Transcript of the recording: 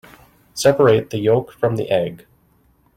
Separate the yolk from the egg.